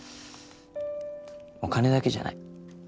お金だけじゃない。